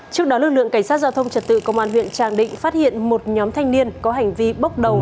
trước đó lực lượng cảnh sát giao thông trật tự công an huyện tràng định phát hiện một nhóm thanh niên có hành vi bốc đầu